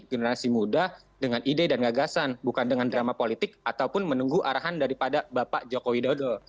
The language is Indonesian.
generasi muda dengan ide dan gagasan bukan dengan drama politik ataupun menunggu arahan daripada bapak joko widodo